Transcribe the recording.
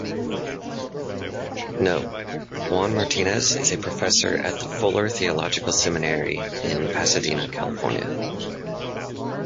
Note: Juan Martinez is a professor at the Fuller Theological Seminary in Pasadena, California.